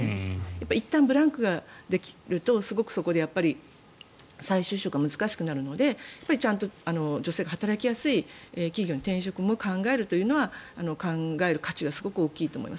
いったんブランクができるとそこで再就職が難しくなるのでちゃんと女性が働きやすい企業に転職も考えるというのは考える価値はすごく大きいと思います。